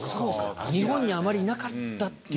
日本にあまりいなかったっていう。